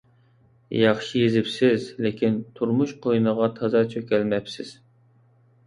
ياخشى يېزىپسىز، لېكىن تۇرمۇش قوينىغا تازا چۆكەلمەپسىز.